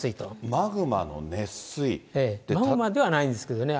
マグマではないんですけどね。